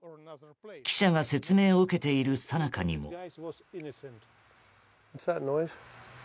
記者が説明を受けているさなかにも。